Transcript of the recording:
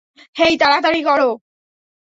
হেই, তাড়াতাড়ি কর।